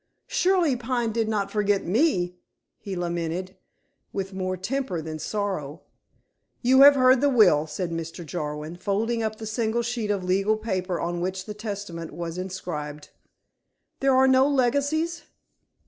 "Surely Pine did not forget me?" he lamented, with more temper than sorrow. "You have heard the will," said Mr. Jarwin, folding up the single sheet of legal paper on which the testament was inscribed. "There are no legacies."